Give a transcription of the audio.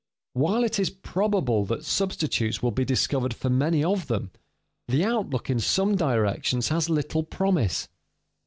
While it is probable that substitutes will be discovered for many of them, the outlook in some directions has little promise.